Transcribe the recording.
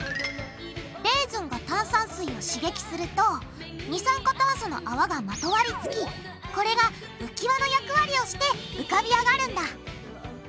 レーズンが炭酸水を刺激すると二酸化炭素のあわがまとわりつきこれが浮き輪の役割をして浮かび上がるんだ！